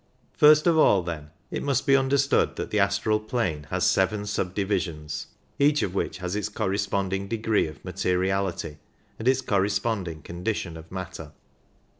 First of all, then, it must be understood that the astral plane has seven subdivisions, each of which has its corre sponding degree of materiality and its corresponding con dition of matter.